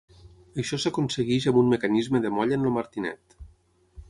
Això s'aconsegueix amb un mecanisme de molla en el martinet.